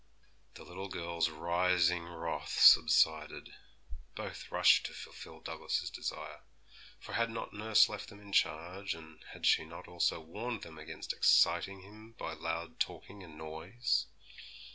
The little girls' rising wrath subsided. Both rushed to fulfil Douglas's desire, for had not nurse left them in charge, and had she not also warned them against exciting him by loud talking and noise?